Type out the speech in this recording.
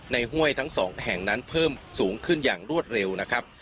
ห้วยทั้งสองแห่งนั้นเพิ่มสูงขึ้นอย่างรวดเร็วนะครับ